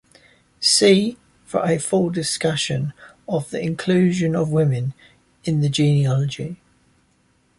See for a full discussion of the inclusion of women in the genealogy.